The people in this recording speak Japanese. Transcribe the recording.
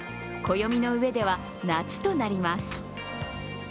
暦の上では夏となります。